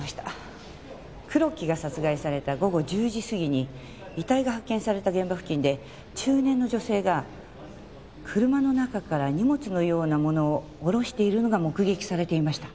黒木が殺害された午後１０時過ぎに遺体が発見された現場付近で中年の女性が車の中から荷物のようなものを降ろしているのが目撃されていました。